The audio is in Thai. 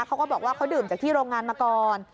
เขาก็บอกว่าเขาดื่มจากที่โรงงานมาก่อน